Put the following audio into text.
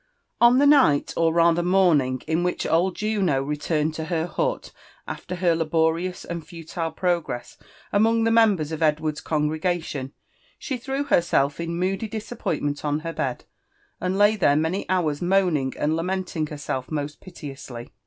On the night, or rather morning, in. which old Juno returned to her hut after her laborious and futile progress among the members of Edward 6 congregation, she threw herself in moody disappointment on her bed, and lay there many hours moaning and lamenting herself most piteously.